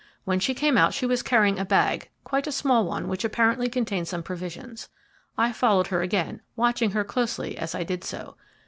When she came out she was carrying a bag, quite a small one, which apparently contained some provisions. I followed her again, watching her closely as I did so.